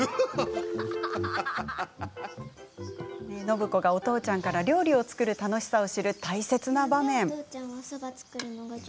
暢子がお父ちゃんから料理を作る楽しさを知る大切な場面。